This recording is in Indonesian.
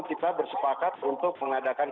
kita bersepakat untuk mengadakan